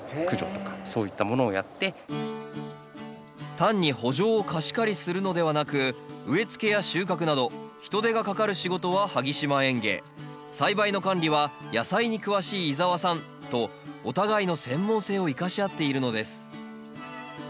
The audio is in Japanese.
単に圃場を貸し借りするのではなく植えつけや収穫など人手がかかる仕事は萩島園芸栽培の管理は野菜に詳しい井沢さんとお互いの専門性を生かし合っているのです。